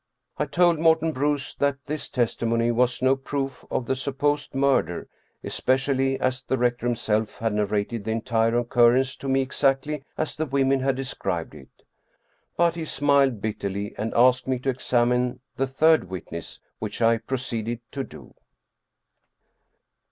I told Morten Bruus that this testimony was no proof of the supposed murder, especially as the rector himself had narrated the entire occurrence to me exactly as the women had described it. But he smiled bitterly and asked me to examine the third witness, which I proceeded to do.